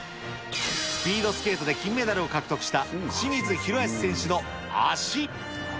スピードスケートで金メダルを獲得した清水宏保選手の脚。